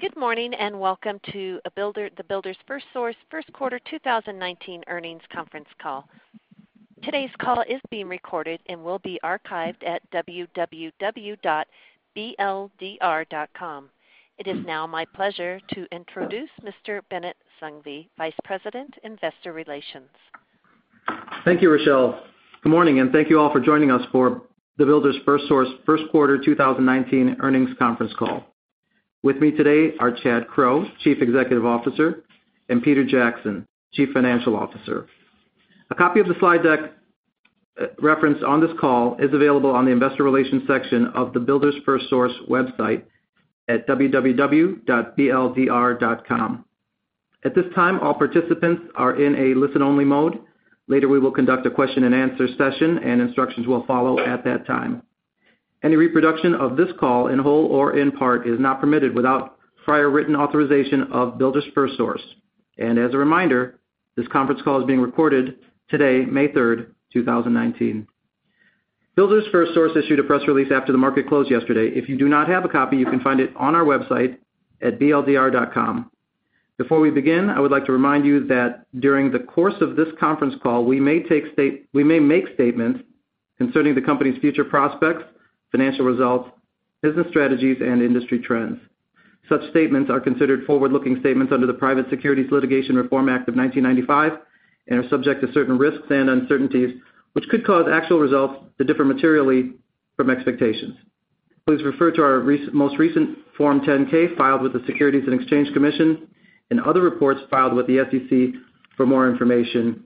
Good morning, and welcome to the Builders FirstSource first quarter 2019 earnings conference call. Today's call is being recorded and will be archived at www.bldr.com. It is now my pleasure to introduce Mr. Bennett Sung V., Vice President, Investor Relations. Thank you, Rochelle. Good morning, and thank you all for joining us for the Builders FirstSource first quarter 2019 earnings conference call. With me today are Chad Crow, Chief Executive Officer, and Peter Jackson, Chief Financial Officer. A copy of the slide deck referenced on this call is available on the Investor Relations section of the Builders FirstSource website at www.bldr.com. At this time, all participants are in a listen-only mode. Later, we will conduct a question and answer session, and instructions will follow at that time. Any reproduction of this call, in whole or in part, is not permitted without prior written authorization of Builders FirstSource. As a reminder, this conference call is being recorded today, May 3rd, 2019. Builders FirstSource issued a press release after the market closed yesterday. If you do not have a copy, you can find it on our website at bldr.com. Before we begin, I would like to remind you that during the course of this conference call, we may make statements concerning the company's future prospects, financial results, business strategies, and industry trends. Such statements are considered forward-looking statements under the Private Securities Litigation Reform Act of 1995 and are subject to certain risks and uncertainties, which could cause actual results to differ materially from expectations. Please refer to our most recent Form 10-K filed with the Securities and Exchange Commission and other reports filed with the SEC for more information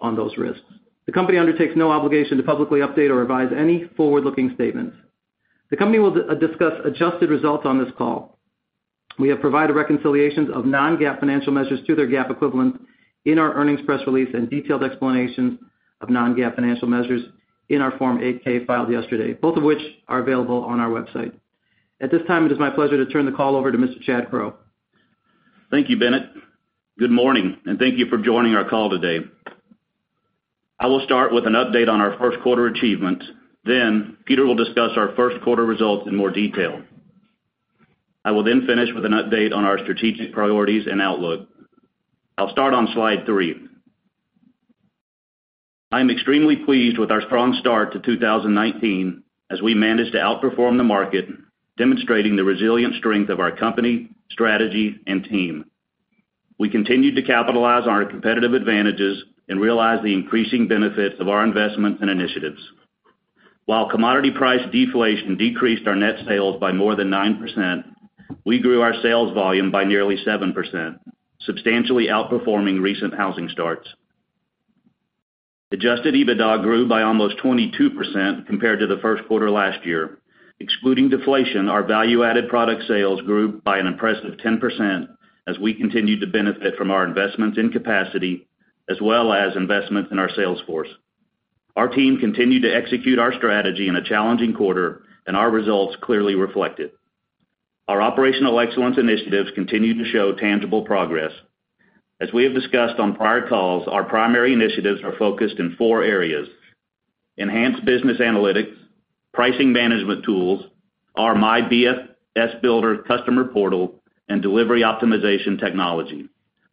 on those risks. The company undertakes no obligation to publicly update or revise any forward-looking statements. The company will discuss adjusted results on this call. We have provided reconciliations of non-GAAP financial measures to their GAAP equivalents in our earnings press release and detailed explanations of non-GAAP financial measures in our Form 8-K filed yesterday, both of which are available on our website. At this time, it is my pleasure to turn the call over to Mr. Chad Crow. Thank you, Bennett. Good morning, and thank you for joining our call today. I will start with an update on our first quarter achievements. Peter will discuss our first quarter results in more detail. I will then finish with an update on our strategic priorities and outlook. I'll start on slide three. I am extremely pleased with our strong start to 2019 as we managed to outperform the market, demonstrating the resilient strength of our company, strategy, and team. We continued to capitalize on our competitive advantages and realize the increasing benefits of our investments and initiatives. While commodity price deflation decreased our net sales by more than 9%, we grew our sales volume by nearly 7%, substantially outperforming recent housing starts. Adjusted EBITDA grew by almost 22% compared to the first quarter last year. Excluding deflation, our value-added product sales grew by an impressive 10% as we continued to benefit from our investments in capacity, as well as investments in our sales force. Our team continued to execute our strategy in a challenging quarter, and our results clearly reflect it. Our operational excellence initiatives continued to show tangible progress. As we have discussed on prior calls, our primary initiatives are focused in four areas: enhanced business analytics, pricing management tools, our MyBFSBuilder customer portal, and delivery optimization technology.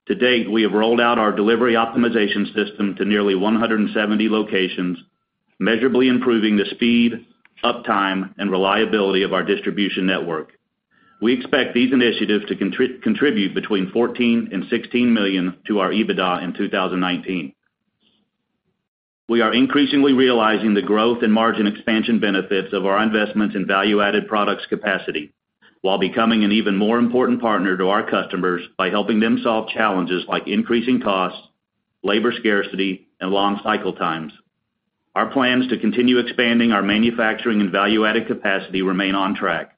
To date, we have rolled out our delivery optimization system to nearly 170 locations, measurably improving the speed, uptime, and reliability of our distribution network. We expect these initiatives to contribute between $14 million and $16 million to our EBITDA in 2019. We are increasingly realizing the growth and margin expansion benefits of our investments in value-added products capacity while becoming an even more important partner to our customers by helping them solve challenges like increasing costs, labor scarcity, and long cycle times. Our plans to continue expanding our manufacturing and value-added capacity remain on track.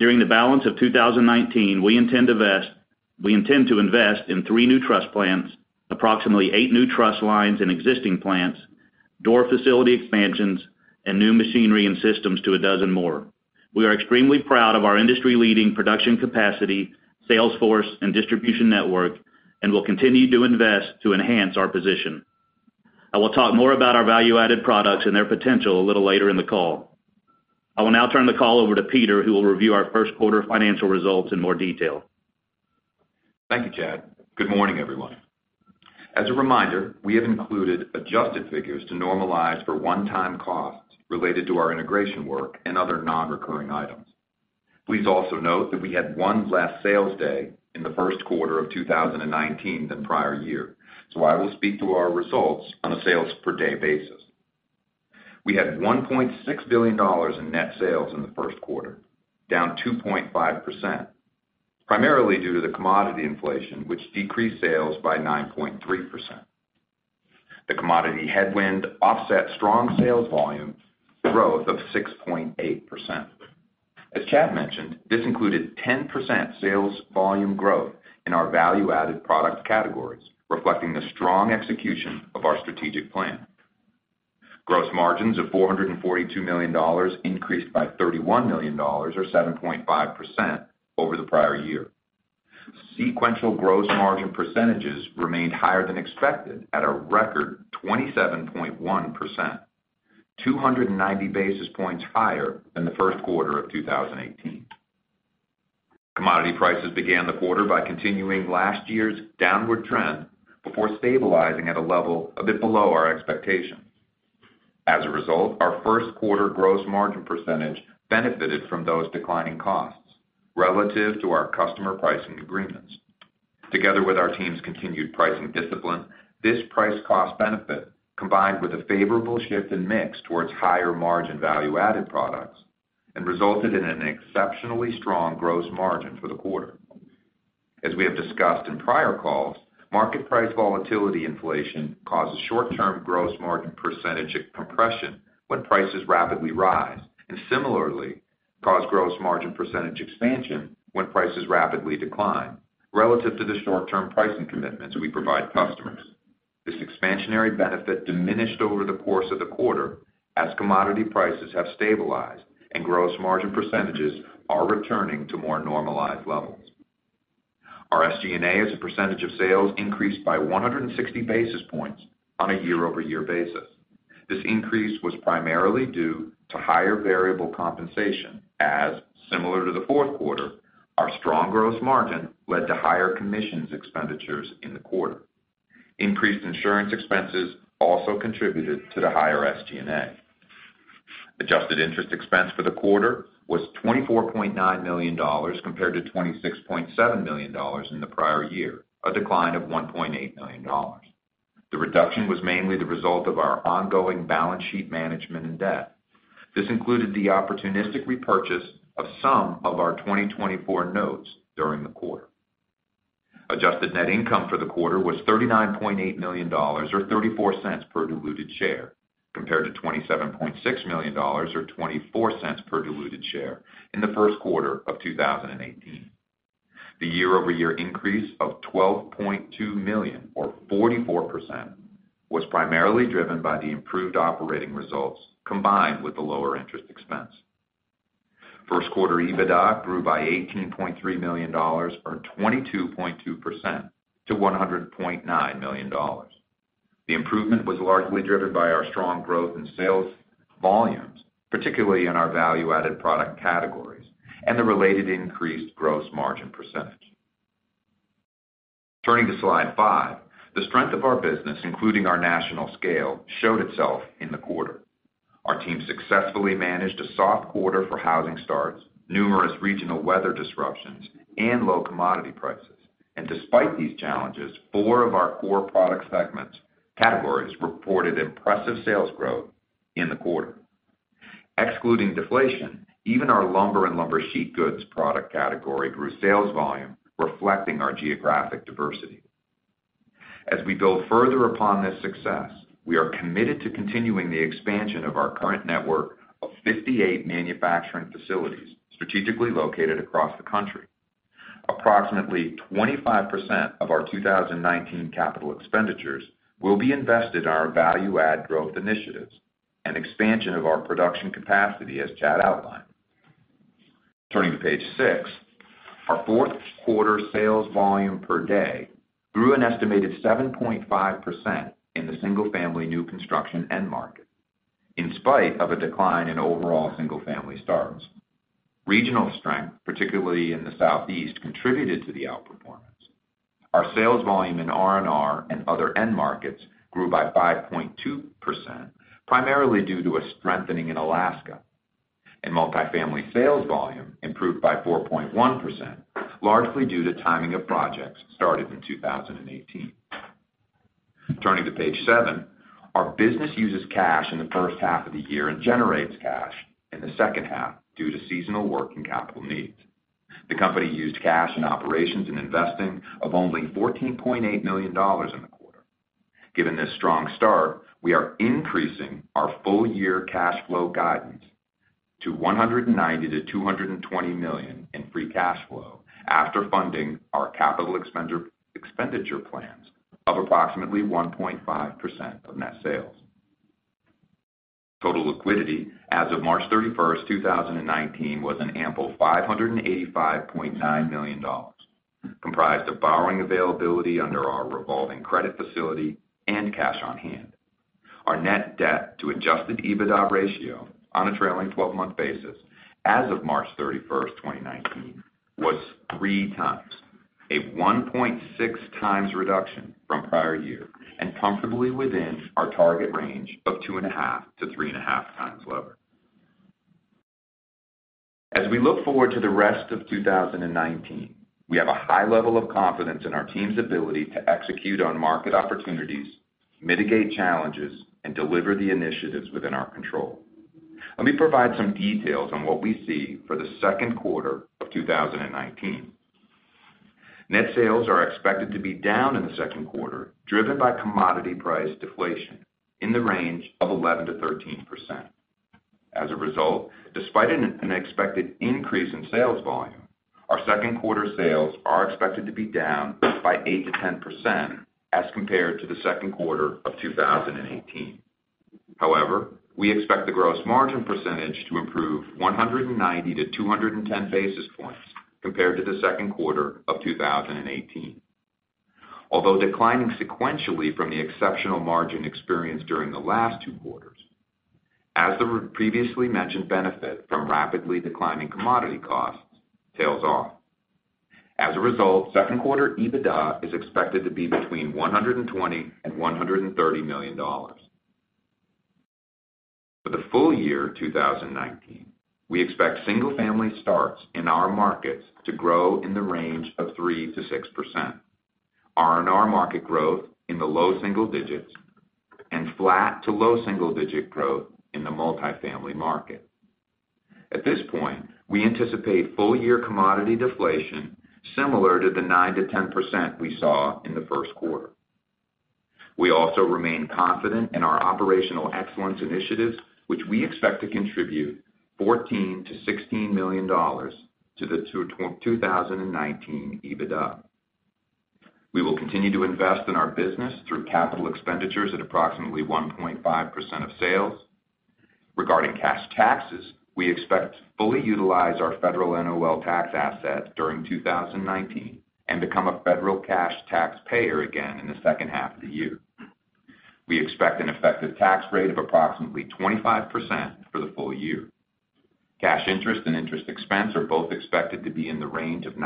During the balance of 2019, we intend to invest in three new truss plants, approximately eight new truss lines in existing plants, door facility expansions, and new machinery and systems to a dozen more. We are extremely proud of our industry-leading production capacity, sales force, and distribution network and will continue to invest to enhance our position. I will talk more about our value-added products and their potential a little later in the call. I will now turn the call over to Peter, who will review our first quarter financial results in more detail. Thank you, Chad. Good morning, everyone. As a reminder, we have included adjusted figures to normalize for one-time costs related to our integration work and other non-recurring items. Please also note that we had one less sales day in the first quarter of 2019 than the prior year, so I will speak to our results on a sales per day basis. We had $1.6 billion in net sales in the first quarter, down 2.5%, primarily due to the commodity inflation, which decreased sales by 9.3%. The commodity headwind offset strong sales volume growth of 6.8%. As Chad mentioned, this included 10% sales volume growth in our value-added product categories, reflecting the strong execution of our strategic plan. Gross margins of $442 million increased by $31 million or 7.5% over the prior year. Sequential gross margin percentages remained higher than expected at a record 27.1%, 290 basis points higher than the first quarter of 2018. Commodity prices began the quarter by continuing last year's downward trend before stabilizing at a level a bit below our expectations. As a result, our first quarter gross margin percentage benefited from those declining costs relative to our customer pricing agreements. Together with our team's continued pricing discipline, this price cost benefit, combined with a favorable shift in mix towards higher margin value-added products, and resulted in an exceptionally strong gross margin for the quarter. As we have discussed in prior calls, market price volatility inflation causes short-term gross margin percentage compression when prices rapidly rise, and similarly, cause gross margin percentage expansion when prices rapidly decline relative to the short-term pricing commitments we provide customers. This expansionary benefit diminished over the course of the quarter as commodity prices have stabilized and gross margin percentages are returning to more normalized levels. Our SG&A as a percentage of sales increased by 160 basis points on a year-over-year basis. This increase was primarily due to higher variable compensation as, similar to the fourth quarter, our strong gross margin led to higher commissions expenditures in the quarter. Increased insurance expenses also contributed to the higher SG&A. Adjusted interest expense for the quarter was $24.9 million compared to $26.7 million in the prior year, a decline of $1.8 million. The reduction was mainly the result of our ongoing balance sheet management and debt. This included the opportunistic repurchase of some of our 2024 notes during the quarter. Adjusted net income for the quarter was $39.8 million or $0.34 per diluted share compared to $27.6 million or $0.24 per diluted share in the first quarter of 2018. The year-over-year increase of $12.2 million or 44% was primarily driven by the improved operating results combined with the lower interest expense. First quarter EBITDA grew by $18.3 million or 22.2% to $100.9 million. The improvement was largely driven by our strong growth in sales volumes, particularly in our value-added product categories and the related increased gross margin percentage. Turning to slide five, the strength of our business, including our national scale, showed itself in the quarter. Our team successfully managed a soft quarter for housing starts, numerous regional weather disruptions, and low commodity prices. Despite these challenges, four of our core product segments categories reported impressive sales growth in the quarter. Excluding deflation, even our lumber and lumber sheet goods product category grew sales volume reflecting our geographic diversity. As we build further upon this success, we are committed to continuing the expansion of our current network of 58 manufacturing facilities strategically located across the country. Approximately 25% of our 2019 capital expenditures will be invested in our value-add growth initiatives and expansion of our production capacity as Chad outlined. Turning to page six, our fourth quarter sales volume per day grew an estimated 7.5% in the single-family new construction end market, in spite of a decline in overall single-family starts. Regional strength, particularly in the Southeast, contributed to the outperformance. Our sales volume in R&R and other end markets grew by 5.2%, primarily due to a strengthening in Alaska. Multi-family sales volume improved by 4.1%, largely due to timing of projects started in 2018. Turning to page seven, our business uses cash in the first half of the year and generates cash in the second half due to seasonal work and capital needs. The company used cash in operations and investing of only $14.8 million in the quarter. Given this strong start, we are increasing our full-year cash flow guidance to $190 million-$220 million in free cash flow after funding our capital expenditure plans of approximately 1.5% of net sales. Total liquidity as of March 31st, 2019, was an ample $585.9 million, comprised of borrowing availability under our revolving credit facility and cash on hand. Our net debt to adjusted EBITDA ratio on a trailing 12-month basis as of March 31st, 2019, was three times, a 1.6 times reduction from prior year, and comfortably within our target range of two and a half to three and a half times lever. We look forward to the rest of 2019, we have a high level of confidence in our team's ability to execute on market opportunities, mitigate challenges, and deliver the initiatives within our control. Let me provide some details on what we see for the second quarter of 2019. Net sales are expected to be down in the second quarter, driven by commodity price deflation in the range of 11%-13%. As a result, despite an expected increase in sales volume, our second quarter sales are expected to be down by 8%-10% as compared to the second quarter of 2018. We expect the gross margin percentage to improve 190-210 basis points compared to the second quarter of 2018. Although declining sequentially from the exceptional margin experienced during the last two quarters, as the previously mentioned benefit from rapidly declining commodity costs tails off. As a result, second quarter EBITDA is expected to be between $120 million-$130 million. For the full year 2019, we expect single-family starts in our markets to grow in the range of 3%-6%, R&R market growth in the low single digits, and flat to low single-digit growth in the multifamily market. At this point, we anticipate full-year commodity deflation similar to the 9%-10% we saw in the first quarter. We also remain confident in our operational excellence initiatives, which we expect to contribute $14 million-$16 million to the 2019 EBITDA. We will continue to invest in our business through capital expenditures at approximately 1.5% of sales. Regarding cash taxes, we expect to fully utilize our federal NOL tax asset during 2019 and become a federal cash taxpayer again in the second half of the year. We expect an effective tax rate of approximately 25% for the full year. Cash interest and interest expense are both expected to be in the range of $95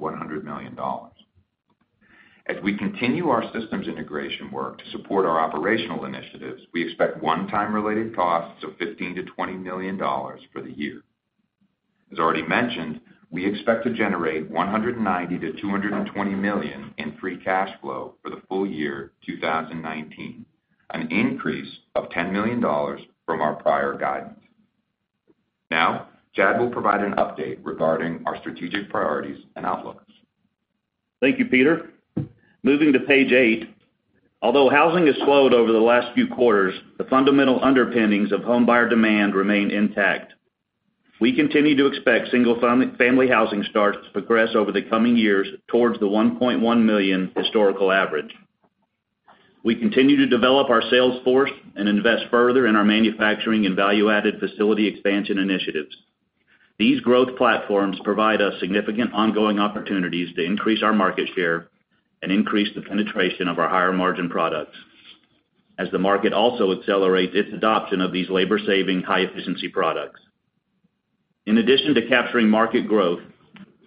million-$100 million. We continue our systems integration work to support our operational initiatives, we expect one-time related costs of $15 million-$20 million for the year. As already mentioned, we expect to generate $190 million to $220 million in free cash flow for the full year 2019, an increase of $10 million from our prior guidance. Chad will provide an update regarding our strategic priorities and outlooks. Thank you, Peter. Moving to page eight. Although housing has slowed over the last few quarters, the fundamental underpinnings of home buyer demand remain intact. We continue to expect single-family housing starts to progress over the coming years towards the 1.1 million historical average. We continue to develop our sales force and invest further in our manufacturing and value-added facility expansion initiatives. These growth platforms provide us significant ongoing opportunities to increase our market share and increase the penetration of our higher-margin products as the market also accelerates its adoption of these labor-saving, high-efficiency products. In addition to capturing market growth,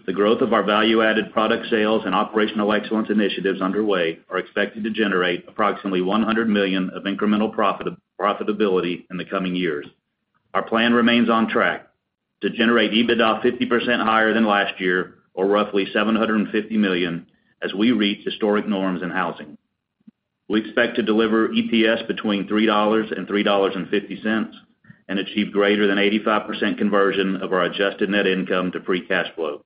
the growth of our value-added product sales and operational excellence initiatives underway are expected to generate approximately $100 million of incremental profitability in the coming years. Our plan remains on track to generate EBITDA 50% higher than last year, or roughly $750 million, as we reach historic norms in housing. We expect to deliver EPS between $3 and $3.50, and achieve greater than 85% conversion of our adjusted net income to free cash flow.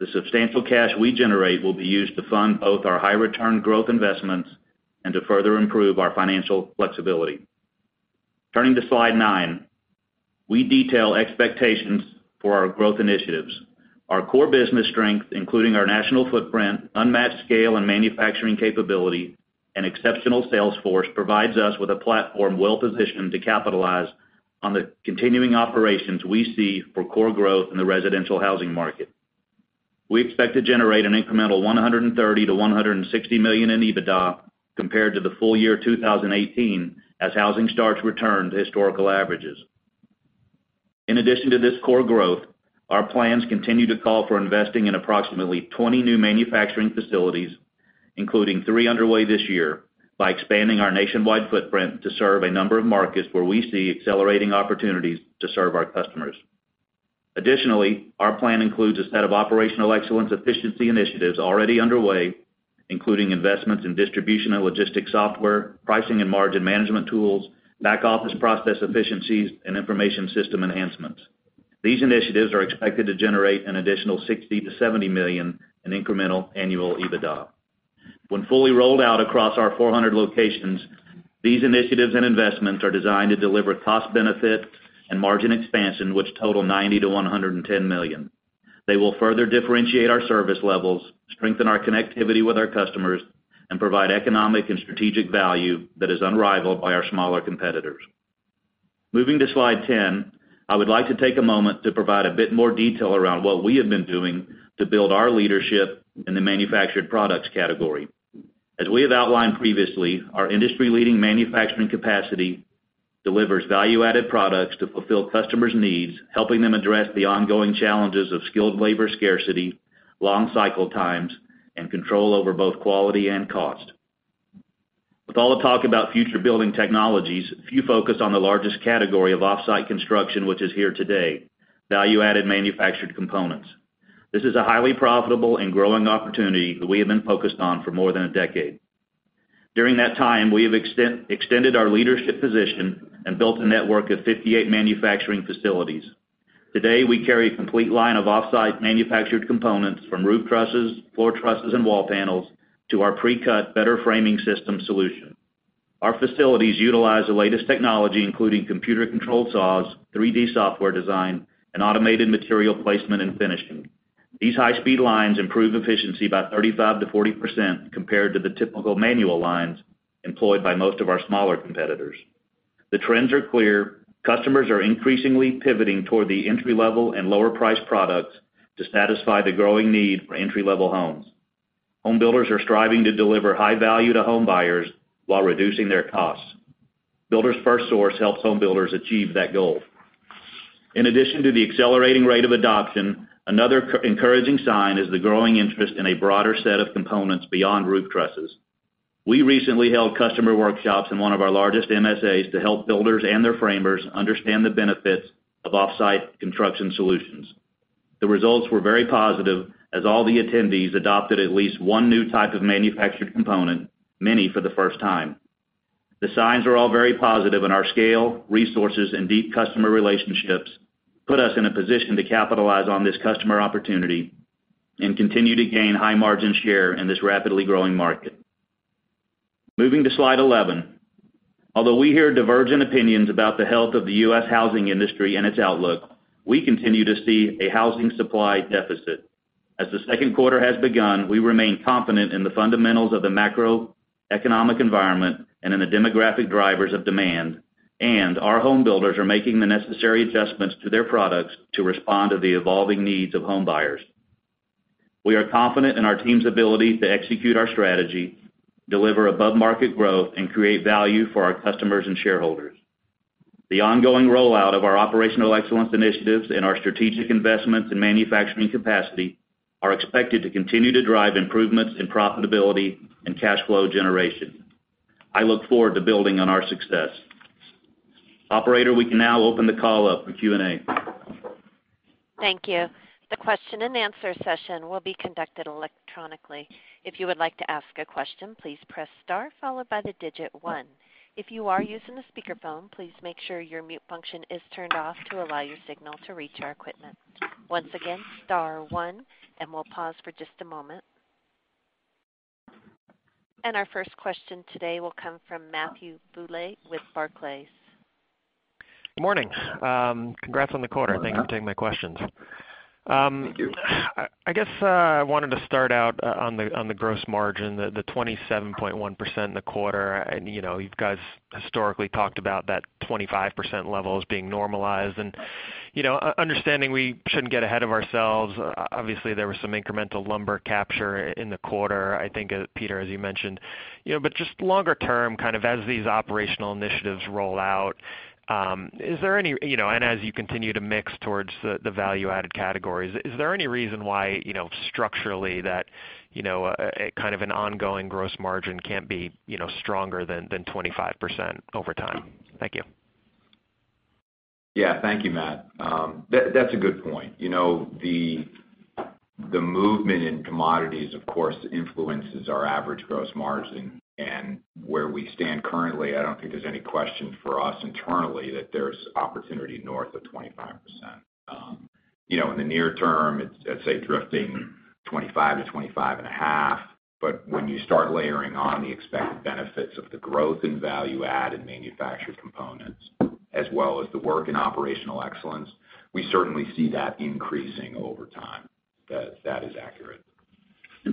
The substantial cash we generate will be used to fund both our high-return growth investments and to further improve our financial flexibility. Turning to slide nine, we detail expectations for our growth initiatives. Our core business strength, including our national footprint, unmatched scale and manufacturing capability, and exceptional sales force, provides us with a platform well-positioned to capitalize on the continuing operations we see for core growth in the residential housing market. We expect to generate an incremental $130 million to $160 million in EBITDA compared to the full year 2018 as housing starts return to historical averages. In addition to this core growth, our plans continue to call for investing in approximately 20 new manufacturing facilities, including three underway this year, by expanding our nationwide footprint to serve a number of markets where we see accelerating opportunities to serve our customers. Additionally, our plan includes a set of operational excellence efficiency initiatives already underway, including investments in distribution and logistics software, pricing and margin management tools, back-office process efficiencies, and information system enhancements. These initiatives are expected to generate an additional $60 million to $70 million in incremental annual EBITDA. When fully rolled out across our 400 locations, these initiatives and investments are designed to deliver cost benefit and margin expansion, which total $90 million to $110 million. They will further differentiate our service levels, strengthen our connectivity with our customers, and provide economic and strategic value that is unrivaled by our smaller competitors. Moving to slide 10, I would like to take a moment to provide a bit more detail around what we have been doing to build our leadership in the manufactured products category. As we have outlined previously, our industry-leading manufacturing capacity delivers value-added products to fulfill customers' needs, helping them address the ongoing challenges of skilled labor scarcity, long cycle times, and control over both quality and cost. With all the talk about future building technologies, few focus on the largest category of off-site construction which is here today: value-added manufactured components. This is a highly profitable and growing opportunity that we have been focused on for more than a decade. During that time, we have extended our leadership position and built a network of 58 manufacturing facilities. Today, we carry a complete line of off-site manufactured components from roof trusses, floor trusses, and wall panels to our pre-cut Better Framing System solution. Our facilities utilize the latest technology, including computer-controlled saws, 3D software design, and automated material placement and finishing. These high-speed lines improve efficiency by 35%-40% compared to the typical manual lines employed by most of our smaller competitors. The trends are clear. Customers are increasingly pivoting toward the entry-level and lower-priced products to satisfy the growing need for entry-level homes. Home builders are striving to deliver high value to home buyers while reducing their costs. Builders FirstSource helps home builders achieve that goal. In addition to the accelerating rate of adoption, another encouraging sign is the growing interest in a broader set of components beyond roof trusses. We recently held customer workshops in one of our largest MSAs to help builders and their framers understand the benefits of off-site construction solutions. The results were very positive, as all the attendees adopted at least 1 new type of manufactured component, many for the first time. The signs are all very positive, our scale, resources, and deep customer relationships put us in a position to capitalize on this customer opportunity and continue to gain high margin share in this rapidly growing market. Moving to slide 11. Although we hear divergent opinions about the health of the U.S. housing industry and its outlook, we continue to see a housing supply deficit. As the second quarter has begun, we remain confident in the fundamentals of the macroeconomic environment and in the demographic drivers of demand, our home builders are making the necessary adjustments to their products to respond to the evolving needs of home buyers. We are confident in our team's ability to execute our strategy, deliver above-market growth, and create value for our customers and shareholders. The ongoing rollout of our operational excellence initiatives and our strategic investments in manufacturing capacity are expected to continue to drive improvements in profitability and cash flow generation. I look forward to building on our success. Operator, we can now open the call up for Q&A. Thank you. The question and answer session will be conducted electronically. If you would like to ask a question, please press star followed by 1. If you are using the speakerphone, please make sure your mute function is turned off to allow your signal to reach our equipment. Once again, star 1, we'll pause for just a moment. Our first question today will come from Matthew Bouley with Barclays. Morning. Congrats on the quarter. Thank you. Thanks for taking my questions. Thank you. I guess I wanted to start out on the gross margin, the 27.1% in the quarter. You guys historically talked about that 25% level as being normalized. Understanding we shouldn't get ahead of ourselves, obviously there was some incremental lumber capture in the quarter, I think, Peter, as you mentioned. Just longer term, as these operational initiatives roll out, as you continue to mix towards the value-added categories, is there any reason why structurally that an ongoing gross margin can't be stronger than 25% over time? Thank you. Yeah. Thank you, Matt. That's a good point. The movement in commodities, of course, influences our average gross margin and where we stand currently. I don't think there's any question for us internally that there's opportunity north of 25%. In the near term, it's, let say, drifting 25%-25.5%. When you start layering on the expected benefits of the growth in value add and manufactured components, as well as the work in operational excellence, we certainly see that increasing over time. That is accurate.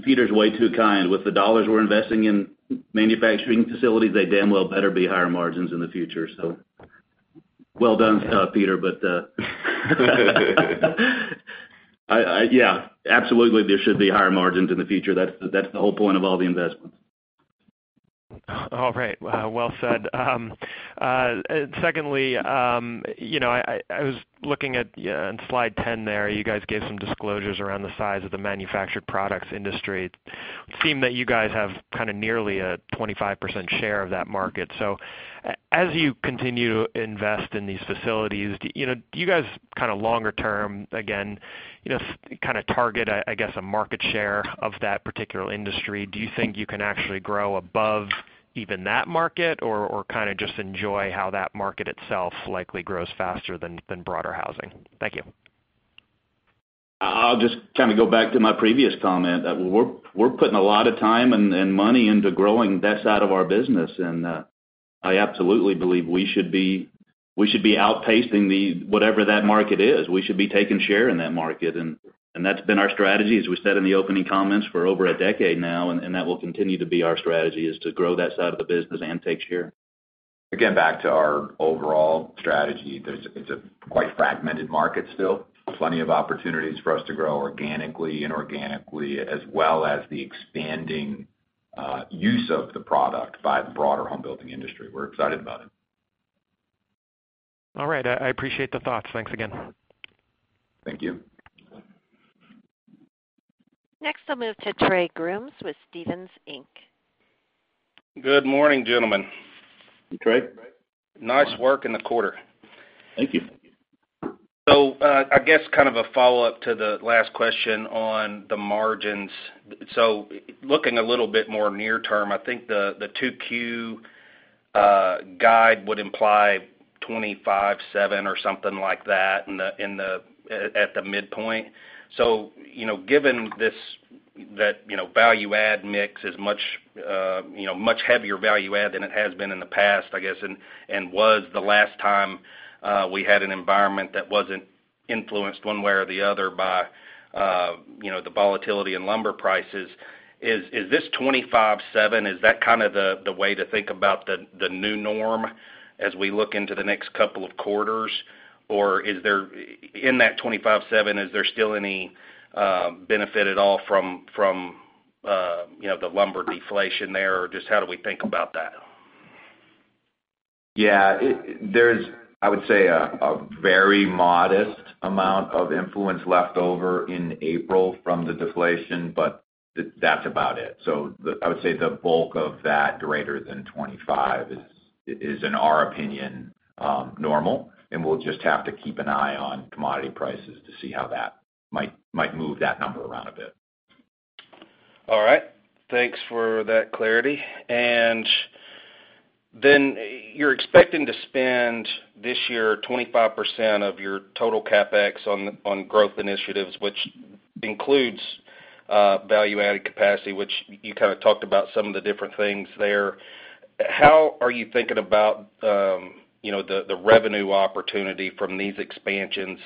Peter's way too kind. With the dollars we're investing in manufacturing facilities, they damn well better be higher margins in the future. Well done, Peter. Yeah, absolutely there should be higher margins in the future. That's the whole point of all the investments. All right. Well said. Secondly, I was looking at slide 10 there. You guys gave some disclosures around the size of the manufactured products industry. It would seem that you guys have nearly a 25% share of that market. As you continue to invest in these facilities, do you guys longer term, again, target a market share of that particular industry? Do you think you can actually grow above even that market, or just enjoy how that market itself likely grows faster than broader housing? Thank you. I'll just go back to my previous comment. We're putting a lot of time and money into growing that side of our business, and I absolutely believe we should be outpacing whatever that market is. We should be taking share in that market, and that's been our strategy, as we said in the opening comments, for over a decade now, and that will continue to be our strategy, is to grow that side of the business and take share. Again, back to our overall strategy, it's a quite fragmented market still. Plenty of opportunities for us to grow organically, inorganically, as well as the expanding use of the product by the broader home building industry. We're excited about it. All right. I appreciate the thoughts. Thanks again. Thank you. Next, I'll move to Trey Grooms with Stephens Inc. Good morning, gentlemen. Hey, Trey. Nice work in the quarter. Thank you. I guess a follow-up to the last question on the margins. Looking a little bit more near term, I think the 2Q guide would imply 25.7% or something like that at the midpoint. Given that value add mix is much heavier value add than it has been in the past, I guess, and was the last time we had an environment that wasn't influenced one way or the other by the volatility in lumber prices. Is this 25.7%, is that the way to think about the new norm as we look into the next couple of quarters? Or in that 25.7%, is there still any benefit at all from the lumber deflation there? Or just how do we think about that? Yeah. There's, I would say, a very modest amount of influence left over in April from the deflation, but that's about it. I would say the bulk of that greater than 25 is, in our opinion, normal, and we'll just have to keep an eye on commodity prices to see how that might move that number around a bit. All right. Thanks for that clarity. Then you're expecting to spend this year 25% of your total CapEx on growth initiatives, which includes value-added capacity, which you kind of talked about some of the different things there. How are you thinking about the revenue opportunity from these expansions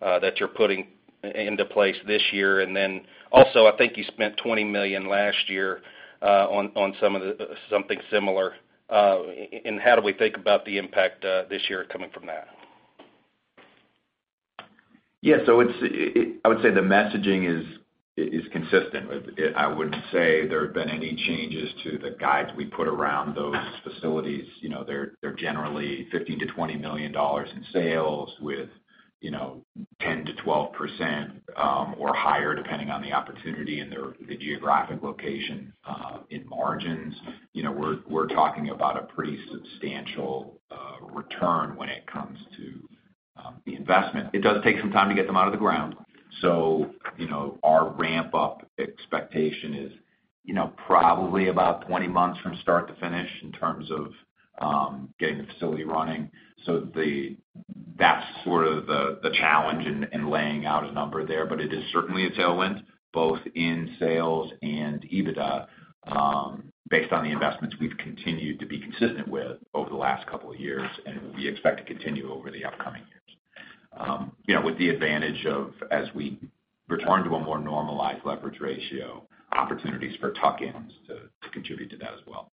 that you're putting into place this year? Then also, I think you spent $20 million last year on something similar. How do we think about the impact this year coming from that? Yeah. I would say the messaging is consistent with it. I wouldn't say there have been any changes to the guides we put around those facilities. They're generally $15 million-$20 million in sales with 10%-12% or higher, depending on the opportunity and the geographic location. In margins, we're talking about a pretty substantial return when it comes to the investment. It does take some time to get them out of the ground. Our ramp-up expectation is probably about 20 months from start to finish in terms of getting the facility running. That's sort of the challenge in laying out a number there, but it is certainly a tailwind, both in sales and EBITDA, based on the investments we've continued to be consistent with over the last couple of years and we expect to continue over the upcoming years. With the advantage of, as we return to a more normalized leverage ratio, opportunities for tuck-ins to contribute to that as well.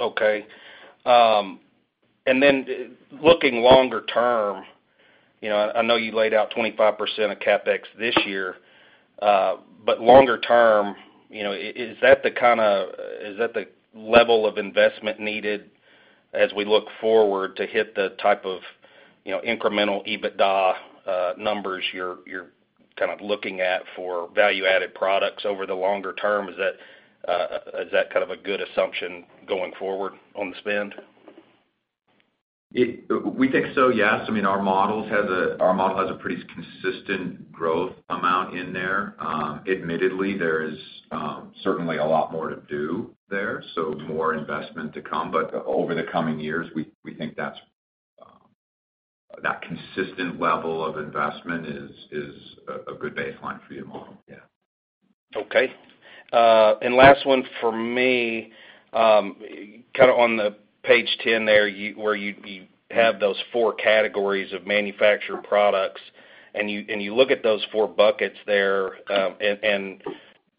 Okay. Looking longer term, I know you laid out 25% of CapEx this year, longer term, is that the level of investment needed as we look forward to hit the type of incremental EBITDA numbers you're kind of looking at for value-added products over the longer term? Is that kind of a good assumption going forward on the spend? We think so, yes. Our model has a pretty consistent growth amount in there. Admittedly, there is certainly a lot more to do there, more investment to come. Over the coming years, we think that consistent level of investment is a good baseline for the model. Yeah. Okay. Last one for me, kind of on the page 10 there, where you have those 4 categories of manufactured products, you look at those 4 buckets there,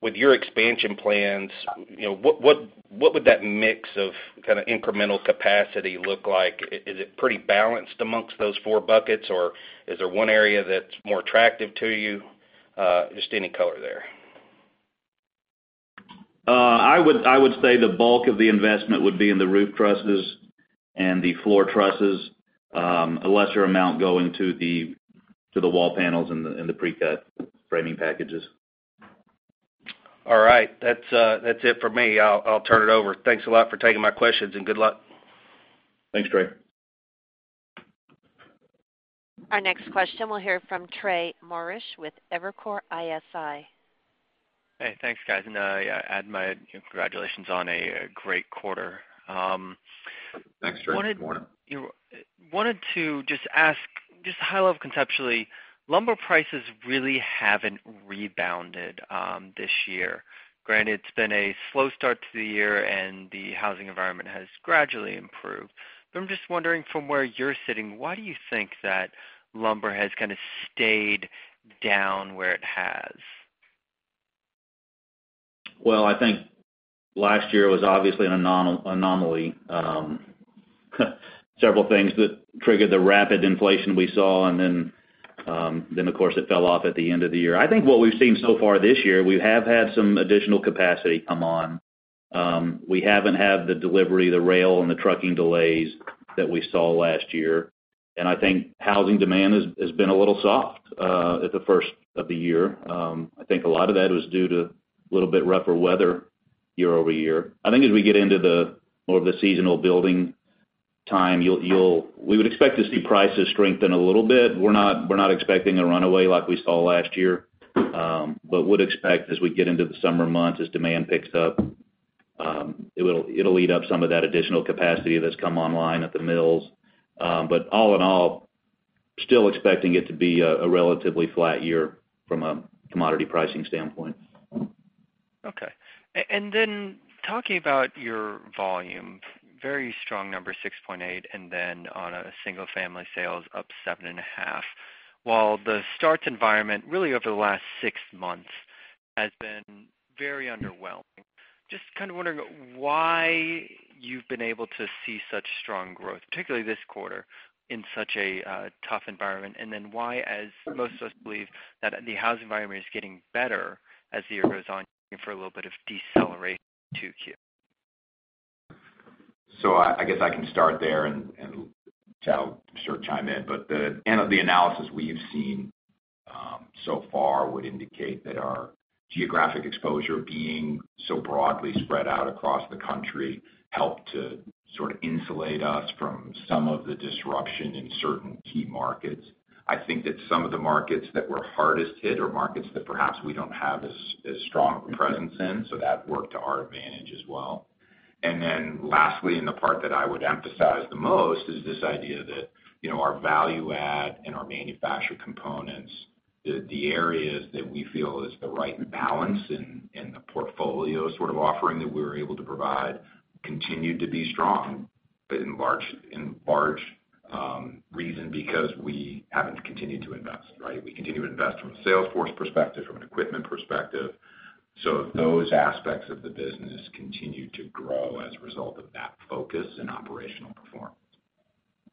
with your expansion plans, what would that mix of kind of incremental capacity look like? Is it pretty balanced amongst those 4 buckets, or is there one area that's more attractive to you? Just any color there. I would say the bulk of the investment would be in the roof trusses and the floor trusses. A lesser amount going to the wall panels and the pre-cut framing packages. All right. That's it for me. I'll turn it over. Thanks a lot for taking my questions, and good luck. Thanks, Trey. Our next question we'll hear from Trey Morrish with Evercore ISI. Thanks, guys. I add my congratulations on a great quarter. Thanks, Trey. Good morning. Wanted to just ask, just high level, conceptually, lumber prices really haven't rebounded this year. Granted, it's been a slow start to the year, and the housing environment has gradually improved. I'm just wondering from where you're sitting, why do you think that lumber has kind of stayed down where it has? Well, I think last year was obviously an anomaly. Several things that triggered the rapid inflation we saw, then, of course, it fell off at the end of the year. I think what we've seen so far this year, we have had some additional capacity come on. We haven't had the delivery, the rail, and the trucking delays that we saw last year. I think housing demand has been a little soft at the first of the year. I think a lot of that was due to a little bit rougher weather year-over-year. I think as we get into the more of the seasonal building time, we would expect to see prices strengthen a little bit. We're not expecting a runaway like we saw last year. Would expect as we get into the summer months, as demand picks up, it'll eat up some of that additional capacity that's come online at the mills. All in all Still expecting it to be a relatively flat year from a commodity pricing standpoint. Talking about your volume, very strong number, 6.8, on a single-family sales up 7.5. While the starts environment really over the last six months has been very underwhelming. Just kind of wondering why you've been able to see such strong growth, particularly this quarter, in such a tough environment. Why, as most of us believe that the housing environment is getting better as the year goes on, for a little bit of deceleration to Q? I guess I can start there, Chad will sort of chime in. The end of the analysis we have seen, so far would indicate that our geographic exposure being so broadly spread out across the country helped to sort of insulate us from some of the disruption in certain key markets. I think that some of the markets that were hardest hit or markets that perhaps we don't have as strong presence in, so that worked to our advantage as well. Lastly, and the part that I would emphasize the most is this idea that, our value add and our manufactured components, the areas that we feel is the right balance in the portfolio sort of offering that we're able to provide, continued to be strong. In large reason because we haven't continued to invest, right? We continue to invest from a sales force perspective, from an equipment perspective. Those aspects of the business continued to grow as a result of that focus and operational performance.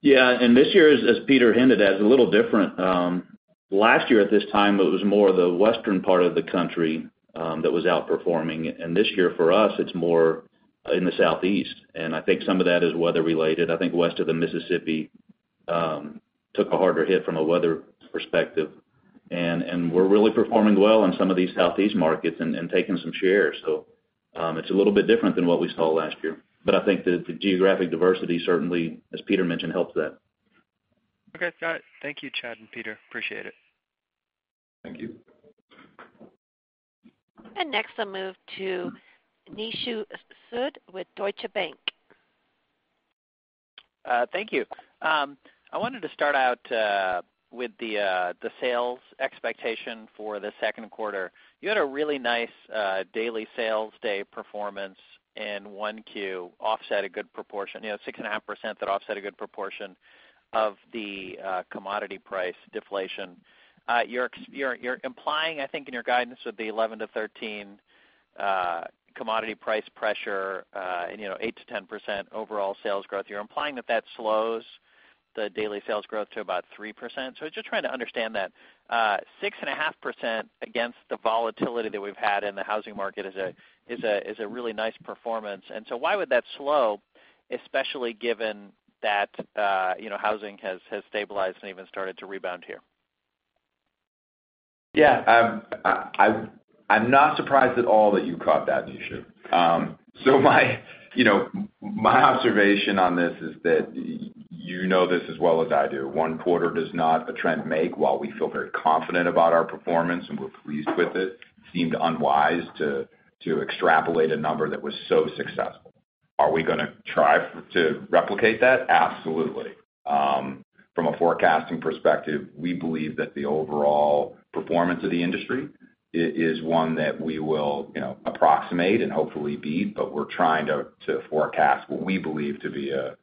Yeah. This year, as Peter hinted at, is a little different. Last year at this time, it was more the western part of the country that was outperforming. This year for us, it's more in the southeast. I think some of that is weather related. I think west of the Mississippi, took a harder hit from a weather perspective. We're really performing well in some of these southeast markets and taking some shares. It's a little bit different than what we saw last year. I think that the geographic diversity, certainly, as Peter mentioned, helps that. Okay. Got it. Thank you, Chad and Peter. Appreciate it. Thank you. Next I'll move to Nishu Sood with Deutsche Bank. Thank you. I wanted to start out with the sales expectation for the second quarter. You had a really nice daily sales day performance in one Q, offset a good proportion, 6.5% that offset a good proportion of the commodity price deflation. You're implying, I think, in your guidance with the 11%-13% commodity price pressure, and 8%-10% overall sales growth. You're implying that that slows the daily sales growth to about 3%. I was just trying to understand that 6.5% against the volatility that we've had in the housing market is a really nice performance. Why would that slow, especially given that housing has stabilized and even started to rebound here? Yeah. I'm not surprised at all that you caught that, Nishu. My observation on this is that you know this as well as I do. One quarter does not a trend make. While we feel very confident about our performance and we're pleased with it seemed unwise to extrapolate a number that was so successful. Are we going to try to replicate that? Absolutely. From a forecasting perspective, we believe that the overall performance of the industry is one that we will approximate and hopefully beat, but we're trying to forecast what we believe to be a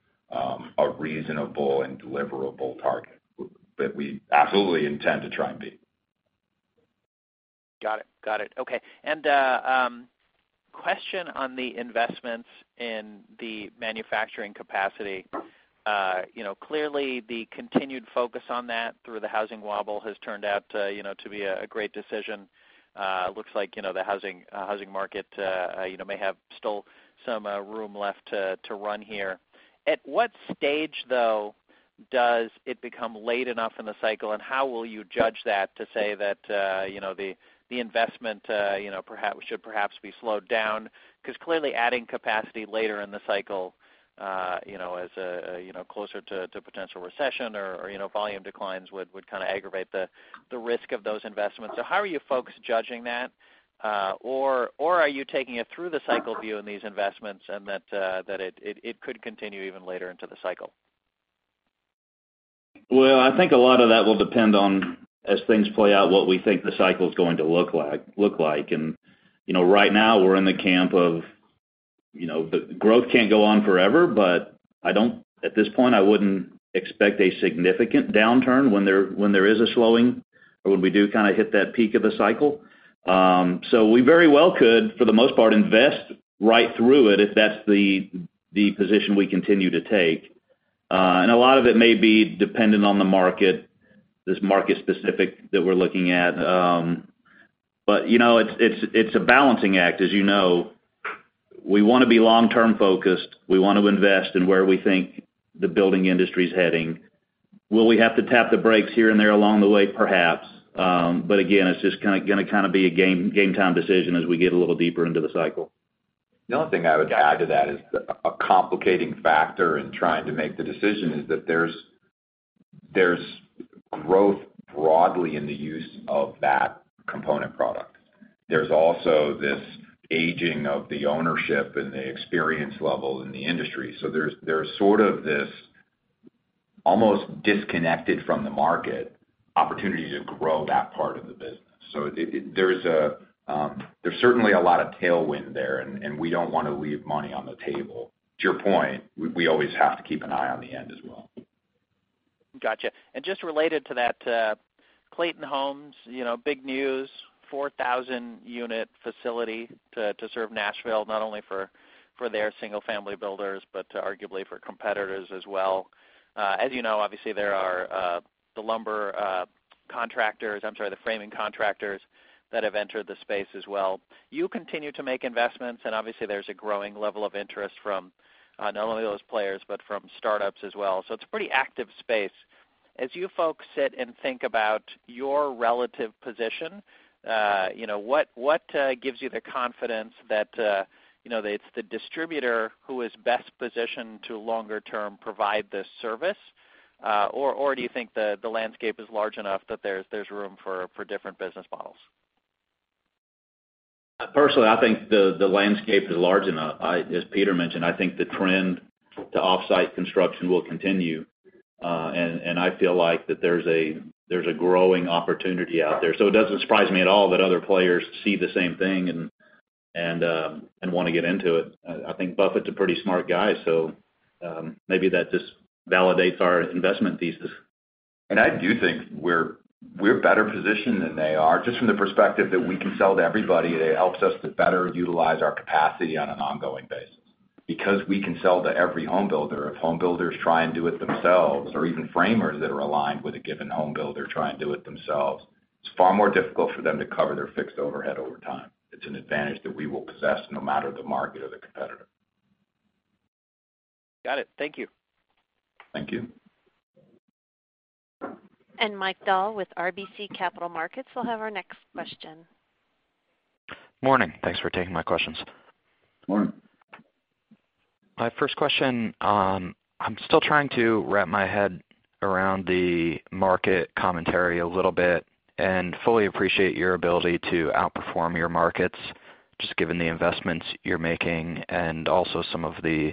reasonable and deliverable target. We absolutely intend to try and beat. Got it. Okay. A question on the investments in the manufacturing capacity. Clearly the continued focus on that through the housing wobble has turned out to be a great decision. Looks like the housing market may have still some room left to run here. At what stage, though, does it become late enough in the cycle, and how will you judge that to say that the investment should perhaps be slowed down? Because clearly adding capacity later in the cycle as closer to potential recession or volume declines would kind of aggravate the risk of those investments. How are you folks judging that? Are you taking it through the cycle view in these investments and that it could continue even later into the cycle? I think a lot of that will depend on, as things play out, what we think the cycle's going to look like. Right now we're in the camp of growth can't go on forever, but at this point I wouldn't expect a significant downturn when there is a slowing or when we do kind of hit that peak of the cycle. We very well could, for the most part, invest right through it if that's the position we continue to take. A lot of it may be dependent on the market, this market specific that we're looking at. It's a balancing act as you know. We want to be long-term focused. We want to invest in where we think the building industry's heading. Will we have to tap the brakes here and there along the way? Perhaps. Again, it's just going to kind of be a game-time decision as we get a little deeper into the cycle. The only thing I would add to that is a complicating factor in trying to make the decision is that there's growth broadly in the use of that component product. There's also this aging of the ownership and the experience level in the industry. There's sort of this almost disconnected from the market opportunity to grow that part of the business. There's certainly a lot of tailwind there, and we don't want to leave money on the table. To your point, we always have to keep an eye on the end as well. Got you. Just related to that, Clayton Homes, big news, 4,000 unit facility to serve Nashville, not only for their single-family builders, but arguably for competitors as well. As you know, obviously there are the lumber contractors, I'm sorry, the framing contractors that have entered the space as well. You continue to make investments, and obviously there's a growing level of interest from not only those players, but from startups as well. It's a pretty active space. As you folks sit and think about your relative position, what gives you the confidence that it's the distributor who is best positioned to longer term provide this service? Or do you think the landscape is large enough that there's room for different business models? Personally, I think the landscape is large enough. As Peter mentioned, I think the trend to offsite construction will continue. I feel like that there's a growing opportunity out there. It doesn't surprise me at all that other players see the same thing and want to get into it. I think Buffett's a pretty smart guy, so maybe that just validates our investment thesis. I do think we're better positioned than they are, just from the perspective that we can sell to everybody. It helps us to better utilize our capacity on an ongoing basis. Because we can sell to every home builder, if home builders try and do it themselves, or even framers that are aligned with a given home builder try and do it themselves, it's far more difficult for them to cover their fixed overhead over time. It's an advantage that we will possess no matter the market or the competitor. Got it. Thank you. Thank you. Mike Dahl with RBC Capital Markets will have our next question. Morning. Thanks for taking my questions. Morning. My first question, I'm still trying to wrap my head around the market commentary a little bit and fully appreciate your ability to outperform your markets, just given the investments you're making and also some of the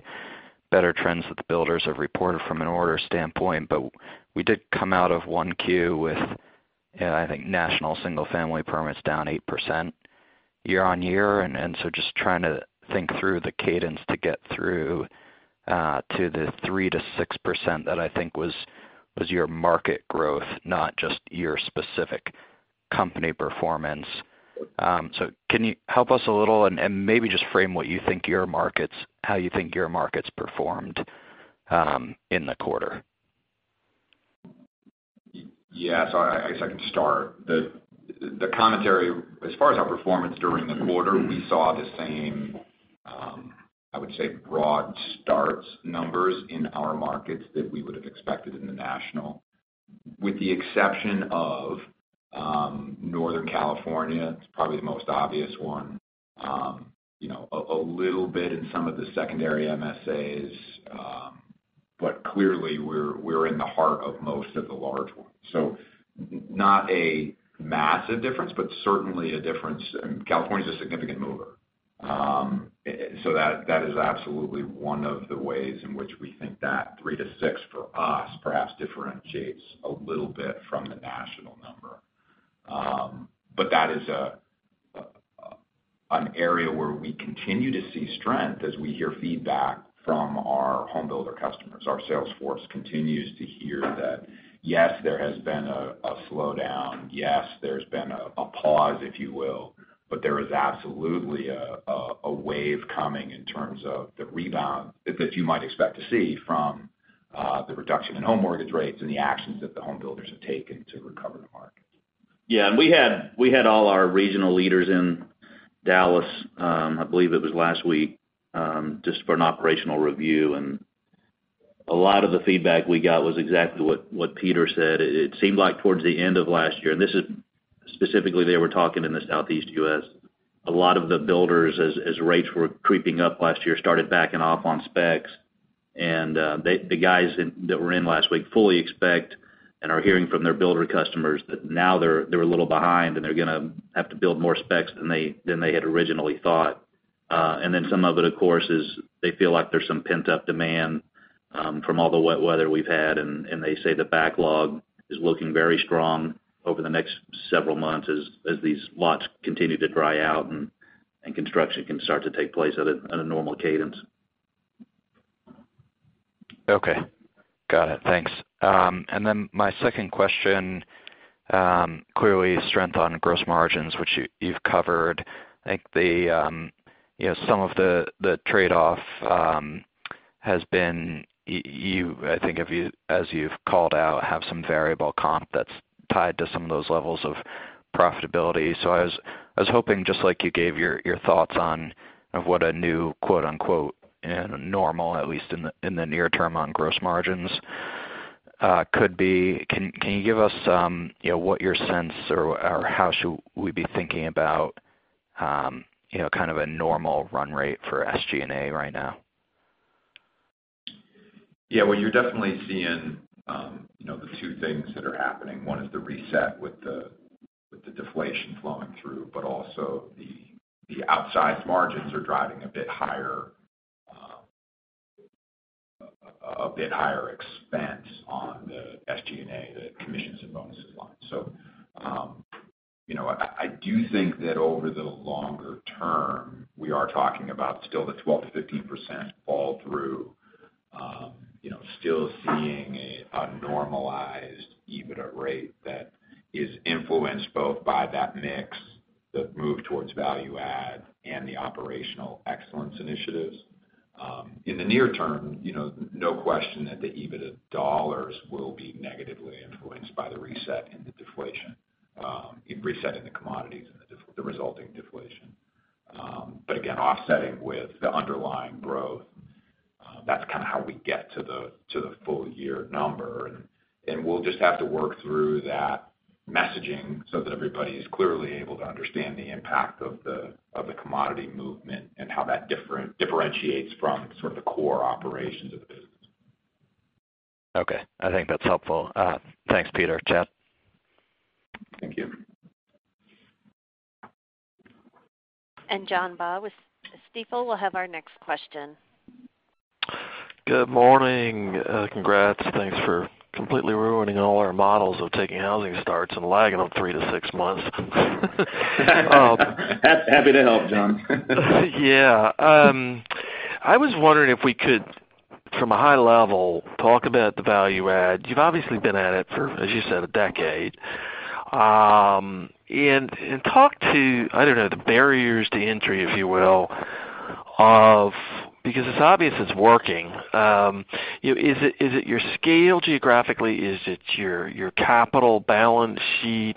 better trends that the builders have reported from an order standpoint. We did come out of 1Q with, I think, national single-family permits down 8% year-on-year, just trying to think through the cadence to get through to the 3%-6% that I think was your market growth, not just your specific company performance. Can you help us a little and maybe just frame what you think your markets, how you think your market's performed in the quarter? I guess I can start. The commentary as far as our performance during the quarter, we saw the same, I would say, broad starts numbers in our markets that we would've expected in the national, with the exception of Northern California. It's probably the most obvious one. A little bit in some of the secondary MSAs. Clearly we're in the heart of most of the large ones. Not a massive difference, but certainly a difference, and California's a significant mover. That is absolutely one of the ways in which we think that 3%-6% for us perhaps differentiates a little bit from the national number. That is an area where we continue to see strength as we hear feedback from our home builder customers. Our sales force continues to hear that, yes, there has been a slowdown. Yes, there's been a pause, if you will, there is absolutely a wave coming in terms of the rebound that you might expect to see from the reduction in home mortgage rates and the actions that the home builders have taken to recover the market. Yeah. We had all our regional leaders in Dallas, I believe it was last week, just for an operational review, a lot of the feedback we got was exactly what Peter said. It seemed like towards the end of last year, this is specifically they were talking in the Southeast U.S., a lot of the builders, as rates were creeping up last year, started backing off on specs. The guys that were in last week fully expect and are hearing from their builder customers that now they're a little behind and they're going to have to build more specs than they had originally thought. Some of it, of course, is they feel like there's some pent-up demand from all the wet weather we've had, they say the backlog is looking very strong over the next several months as these lots continue to dry out and construction can start to take place at a normal cadence. Okay. Got it. Thanks. My second question, clearly strength on gross margins, which you've covered. I think some of the trade-off has been, I think as you've called out, have some variable comp that's tied to some of those levels of profitability. I was hoping, just like you gave your thoughts on what a new, quote unquote, "normal," at least in the near term on gross margins could be. Can you give us what your sense or how should we be thinking about kind of a normal run rate for SG&A right now? Well, you're definitely seeing the two things that are happening. One is the reset with the deflation flowing through, also the outsized margins are driving a bit higher expense on the SG&A, the commissions and bonuses line. I do think that over the longer term, we are talking about still the 12%-15% fall through, still seeing a normalized EBITDA rate that is influenced both by that mix, the move towards value add, and the operational excellence initiatives. In the near term, no question that the EBITDA dollars will be negatively influenced by the reset and the deflation, in resetting the commodities and the resulting deflation. Again, offsetting with the underlying growth, that's kind of how we get to the full year number. We'll just have to work through that messaging so that everybody is clearly able to understand the impact of the commodity movement and how that differentiates from sort of the core operations of the business. Okay. I think that's helpful. Thanks, Peter. Chad. Thank you. John Baugh with Stifel will have our next question. Good morning. Congrats. Thanks for completely ruining all our models of taking housing starts and lagging them 3-6 months. Happy to help, John. Yeah. I was wondering if we could, from a high level, talk about the value add. You've obviously been at it for, as you said, a decade. Talk to, I don't know, the barriers to entry, if you will, because it's obvious it's working. Is it your scale geographically? Is it your capital balance sheet?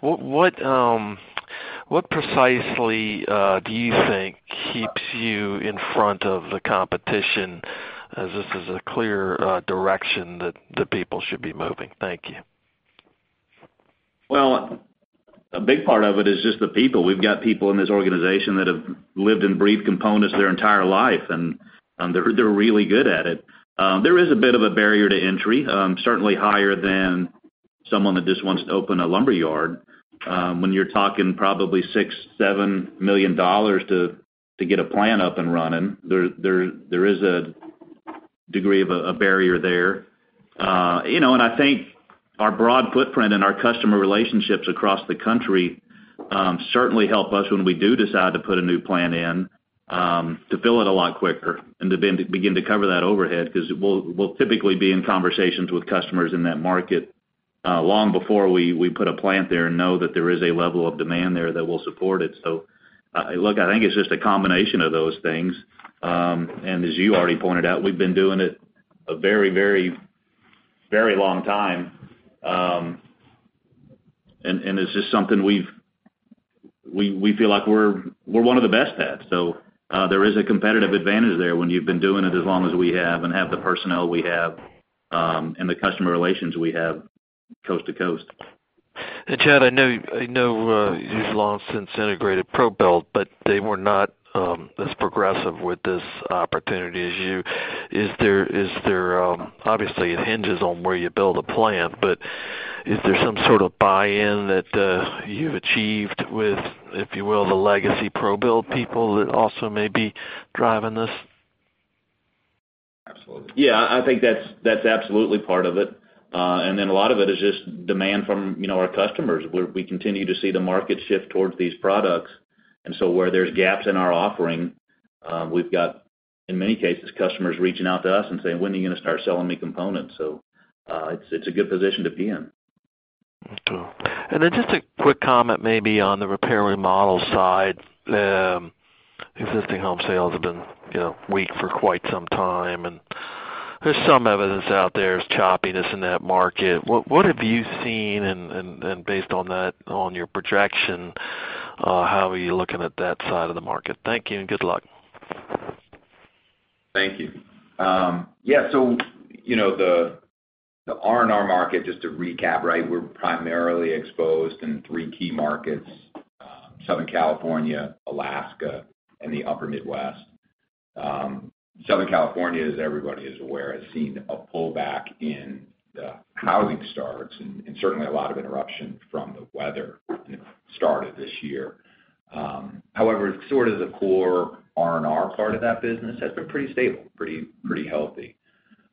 What precisely do you think keeps you in front of the competition as this is a clear direction that the people should be moving? Thank you. Well, a big part of it is just the people. We've got people in this organization that have lived and breathed components their entire life, and they're really good at it. There is a bit of a barrier to entry, certainly higher than someone that just wants to open a lumber yard. When you're talking probably $6 million, $7 million to get a plant up and running, there is a degree of a barrier there. I think our broad footprint and our customer relationships across the country certainly help us when we do decide to put a new plant in, to fill it a lot quicker and to begin to cover that overhead, because we'll typically be in conversations with customers in that market long before we put a plant there and know that there is a level of demand there that will support it. Look, I think it's just a combination of those things. As you already pointed out, we've been doing it a very long time. It's just something we feel like we're one of the best at. There is a competitive advantage there when you've been doing it as long as we have and have the personnel we have, and the customer relations we have coast to coast. Chad, I know you've long since integrated ProBuild, but they were not as progressive with this opportunity as you. Obviously, it hinges on where you build a plant, but is there some sort of buy-in that you've achieved with, if you will, the legacy ProBuild people that also may be driving this? Absolutely. Yeah, I think that's absolutely part of it. Then a lot of it is just demand from our customers, where we continue to see the market shift towards these products. Where there's gaps in our offering, we've got, in many cases, customers reaching out to us and saying, "When are you going to start selling me components?" It's a good position to be in. Okay. Then just a quick comment maybe on the repair and remodel side. Existing home sales have been weak for quite some time, and there's some evidence out there there's choppiness in that market. What have you seen? Based on that, on your projection, how are you looking at that side of the market? Thank you, and good luck. Thank you. Yeah. The R&R market, just to recap, we're primarily exposed in three key markets: Southern California, Alaska, and the upper Midwest. Southern California, as everybody is aware, has seen a pullback in the housing starts and certainly a lot of interruption from the weather at the start of this year. However, sort of the core R&R part of that business has been pretty stable, pretty healthy.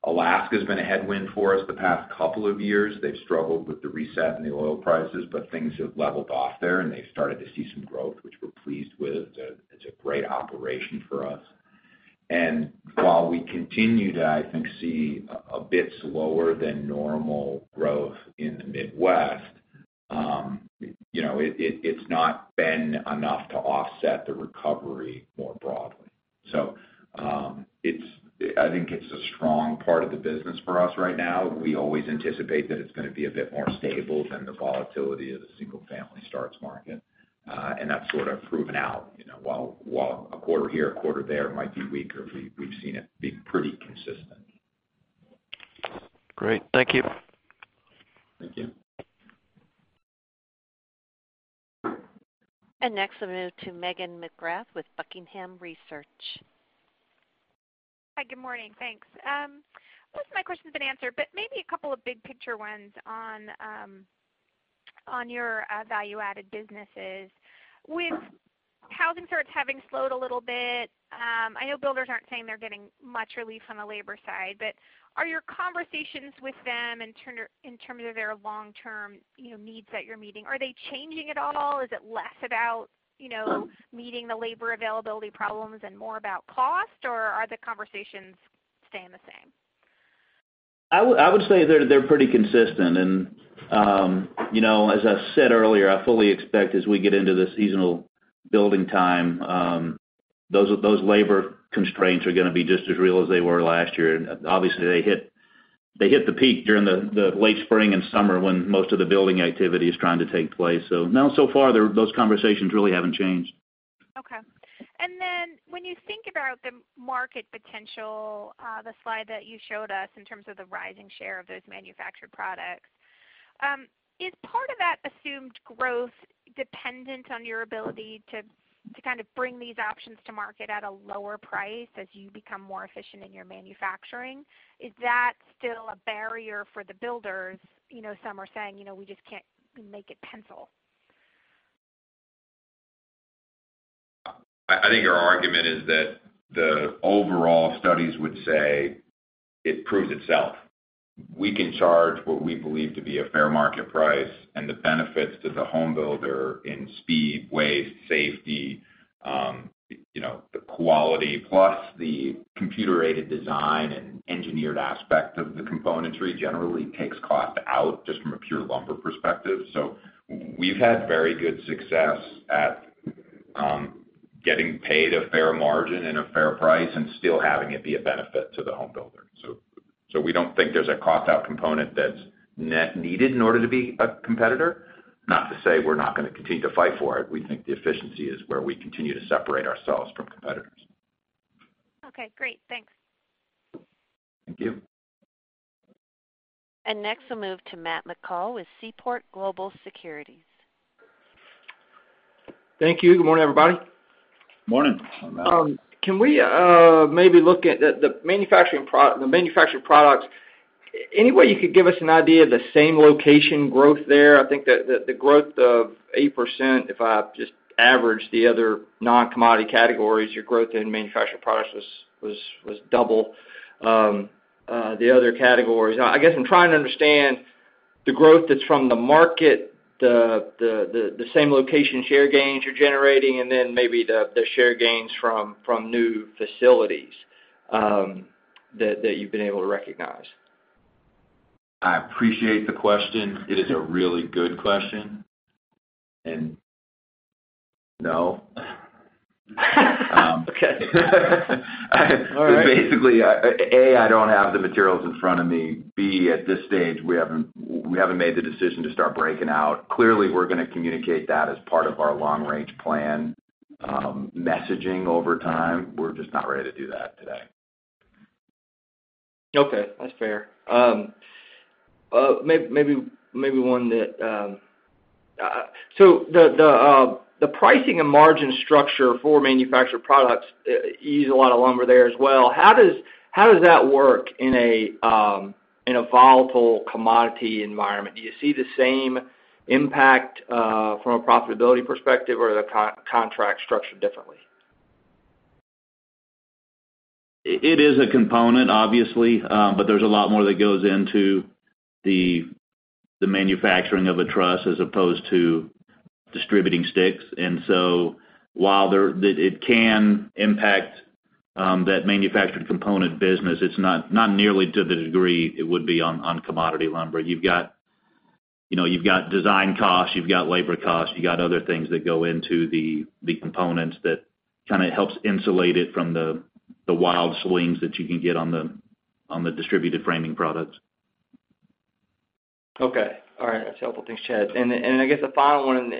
Alaska's been a headwind for us the past couple of years. They've struggled with the reset and the oil prices, but things have leveled off there, and they've started to see some growth, which we're pleased with. It's a great operation for us. While we continue to, I think, see a bit slower than normal growth in the Midwest, it's not been enough to offset the recovery more broadly. I think it's a strong part of the business for us right now. We always anticipate that it's going to be a bit more stable than the volatility of the single-family starts market. That's sort of proven out. While a quarter here, a quarter there might be weaker, we've seen it be pretty consistent. Great. Thank you. Thank you. Next, we'll move to Megan McGrath with Buckingham Research. Hi, good morning. Thanks. Most of my questions have been answered, but maybe a couple of big-picture ones on your value-added businesses. With housing starts having slowed a little bit, I know builders aren't saying they're getting much relief on the labor side. Are your conversations with them in terms of their long-term needs that you're meeting, are they changing at all? Is it less about meeting the labor availability problems and more about cost, or are the conversations staying the same? I would say they're pretty consistent. As I said earlier, I fully expect as we get into the seasonal building time, those labor constraints are going to be just as real as they were last year. Obviously, they hit the peak during the late spring and summer when most of the building activity is trying to take place. No, so far, those conversations really haven't changed. Okay. When you think about the market potential, the slide that you showed us in terms of the rising share of those manufactured products, is part of that assumed growth dependent on your ability to kind of bring these options to market at a lower price as you become more efficient in your manufacturing? Is that still a barrier for the builders? Some are saying, "We just can't make it pencil. I think our argument is that the overall studies would say it proves itself. We can charge what we believe to be a fair market price and the benefits to the home builder in speed, waste, safety, the quality, plus the computer-aided design and engineered aspect of the componentry generally takes cost out just from a pure lumber perspective. We've had very good success at getting paid a fair margin and a fair price and still having it be a benefit to the home builder. We don't think there's a cost-out component that's net needed in order to be a competitor. Not to say we're not going to continue to fight for it. We think the efficiency is where we continue to separate ourselves from competitors. Okay, great. Thanks. Thank you. Next, we'll move to Matt McCall with Seaport Global Securities. Thank you. Good morning, everybody. Morning. Can we maybe look at the manufacturing products? Any way you could give us an idea of the same location growth there? I think that the growth of 8%, if I just average the other non-commodity categories, your growth in manufacturing products was double the other categories. I guess I'm trying to understand the growth that's from the market, the same location share gains you're generating, and then maybe the share gains from new facilities that you've been able to recognize. I appreciate the question. It is a really good question. No. Okay. All right. Basically, A, I don't have the materials in front of me. B, at this stage, we haven't made the decision to start breaking out. Clearly, we're going to communicate that as part of our long-range plan messaging over time. We're just not ready to do that today. Okay. That's fair. The pricing and margin structure for manufactured products is a lot of lumber there as well. How does that work in a volatile commodity environment? Do you see the same impact from a profitability perspective, or are the contracts structured differently? It is a component, obviously, but there's a lot more that goes into the manufacturing of a truss as opposed to distributing sticks. While it can impact that manufactured component business, it's not nearly to the degree it would be on commodity lumber. You've got design costs, you've got labor costs, you've got other things that go into the components that kind of helps insulate it from the wild swings that you can get on the distributed framing products. Okay. All right. That's helpful. Thanks, Chad. I guess the final one, and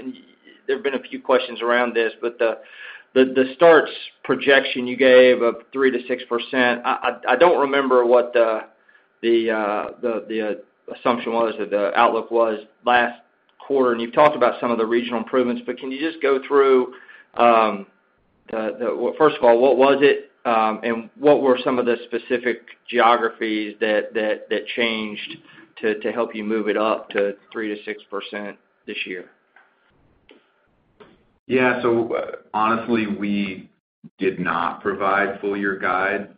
there have been a few questions around this, but the starts projection you gave of 3%-6%, I don't remember what the assumption was or the outlook was last quarter, and you've talked about some of the regional improvements, but can you just go through, first of all, what was it? And what were some of the specific geographies that changed to help you move it up to 3%-6% this year? Yeah. Honestly, we did not provide full year guide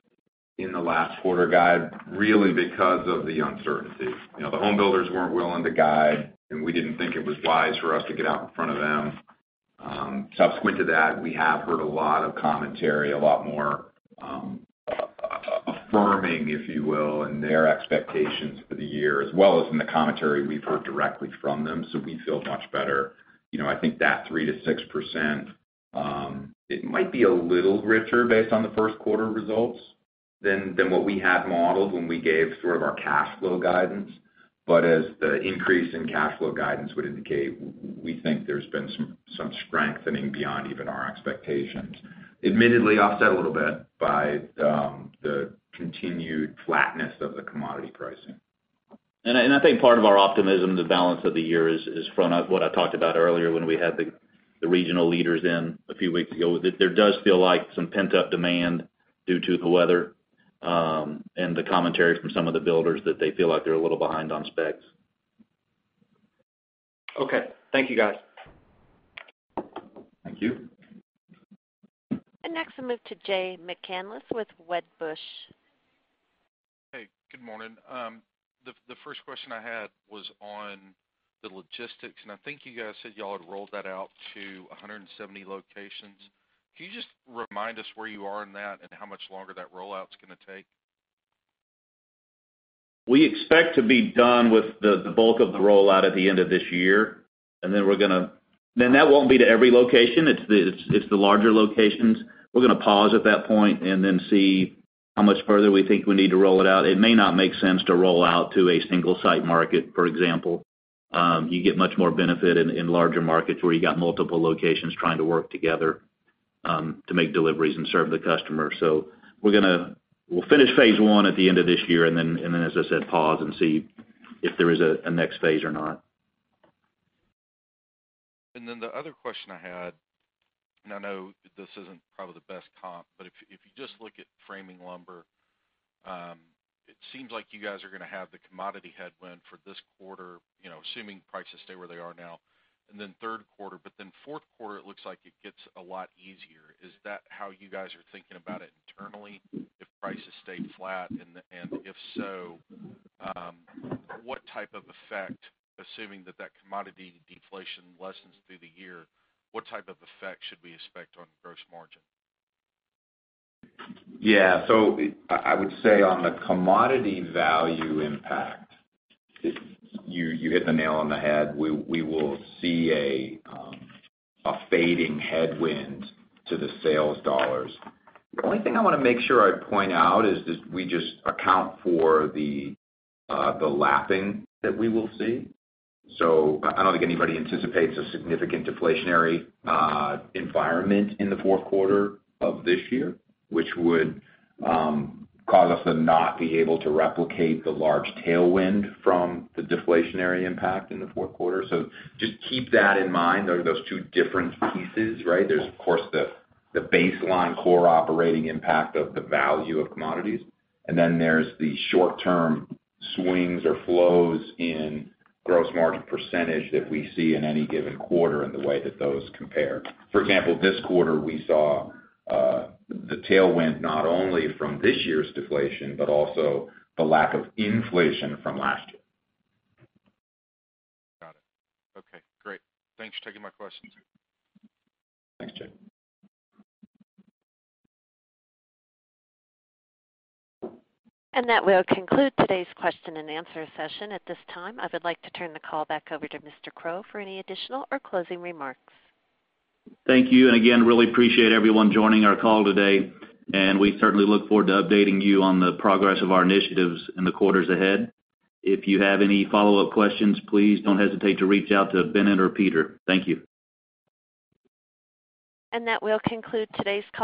in the last quarter guide, really because of the uncertainty. The home builders weren't willing to guide, and we didn't think it was wise for us to get out in front of them. Subsequent to that, we have heard a lot of commentary, a lot more affirming, if you will, in their expectations for the year, as well as in the commentary we've heard directly from them. We feel much better. I think that 3%-6%, it might be a little richer based on the first quarter results than what we had modeled when we gave sort of our cash flow guidance. As the increase in cash flow guidance would indicate, we think there's been some strengthening beyond even our expectations. Admittedly, offset a little bit by the continued flatness of the commodity pricing. I think part of our optimism, the balance of the year is from what I talked about earlier when we had the regional leaders in a few weeks ago, that there does feel like some pent-up demand due to the weather, and the commentary from some of the builders that they feel like they're a little behind on specs. Okay. Thank you, guys. Thank you. Next we'll move to Jay McCanless with Wedbush. Hey, good morning. The first question I had was on the logistics. I think you guys said y'all had rolled that out to 170 locations. Can you just remind us where you are in that and how much longer that rollout's going to take? We expect to be done with the bulk of the rollout at the end of this year. That won't be to every location. It's the larger locations. We're going to pause at that point and see how much further we think we need to roll it out. It may not make sense to roll out to a single-site market, for example. You get much more benefit in larger markets where you got multiple locations trying to work together to make deliveries and serve the customer. We'll finish phase 1 at the end of this year, and then, as I said, pause and see if there is a next phase or not. The other question I had, and I know this isn't probably the best comp, but if you just look at framing lumber, it seems like you guys are going to have the commodity headwind for this quarter, assuming prices stay where they are now, and then third quarter, but then fourth quarter, it looks like it gets a lot easier. Is that how you guys are thinking about it internally, if prices stay flat, and if so, what type of effect, assuming that that commodity deflation lessens through the year, what type of effect should we expect on gross margin? Yeah. I would say on the commodity value impact, you hit the nail on the head. We will see a fading headwind to the sales dollars. The only thing I want to make sure I point out is just we just account for the lapping that we will see. I don't think anybody anticipates a significant deflationary environment in the fourth quarter of this year, which would cause us to not be able to replicate the large tailwind from the deflationary impact in the fourth quarter. Just keep that in mind. There are those two different pieces, right? There's, of course, the baseline core operating impact of the value of commodities, and then there's the short-term swings or flows in gross margin % that we see in any given quarter and the way that those compare. For example, this quarter, we saw the tailwind not only from this year's deflation, but also the lack of inflation from last year. Got it. Okay, great. Thanks for taking my questions. Thanks, Jay. That will conclude today's question and answer session. At this time, I would like to turn the call back over to Mr. Crow for any additional or closing remarks. Thank you. Again, really appreciate everyone joining our call today, and we certainly look forward to updating you on the progress of our initiatives in the quarters ahead. If you have any follow-up questions, please don't hesitate to reach out to Bennett or Peter. Thank you. That will conclude today's call.